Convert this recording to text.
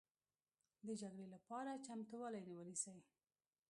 د جګړې لپاره چمتوالی ونیسئ